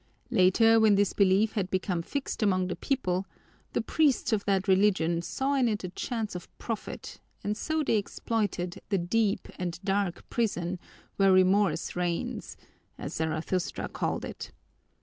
Later, when this belief had become fixed among the people, the priests of that religion saw in it a chance of profit and so they exploited 'the deep and dark prison where remorse reigns,' as Zarathustra called it.